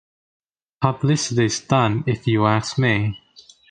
Publicity stunt if you ask me!